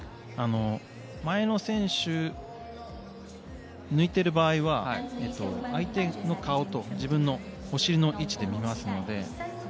前の選手を抜いている場合は相手の顔と自分のお尻の位置で見ますので。